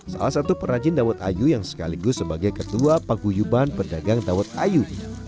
salah satu perajin dawat ayu yang sekaligus sebagai ketua paguyuban perdagang dawat ayu